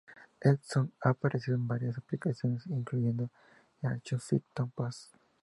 Edmonson ha aparecido en varias publicaciones, incluyendo el Huffington Post.